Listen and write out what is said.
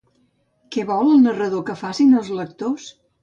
Què vol el narrador que facin els lectors?